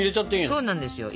そうなんですよ。